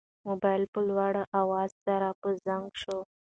موبایل په لوړ اواز سره په زنګ شو.